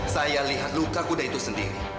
saya lihat luka kuda itu sendiri